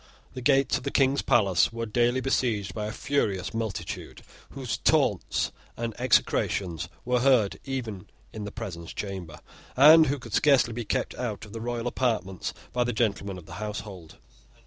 The gates of the King's palace were daily besieged by a furious multitude whose taunts and execrations were heard even in the presence chamber, and who could scarcely be kept out of the royal apartments by the gentlemen of the household.